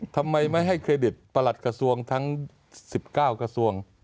ทำไมไม่ให้เครดิตประหลัดกระทรวงทั้ง๑๙กระทรวง